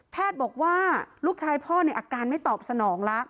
แพทย์บอกว่าลูกชายพ่อเนี่ยอาการไม่ตอบสนองละ